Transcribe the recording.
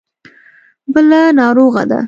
بله ناروغه ده.